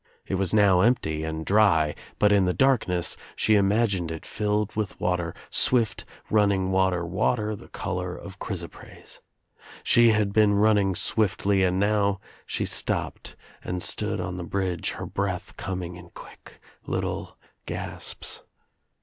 It was now empty and dry but in the darkness she imagined it filled with water, swift run ning water, water the color of chrysoprase. She had been running swiftly and now she stopped and stood on the bridge her breath coming In quick little gasps.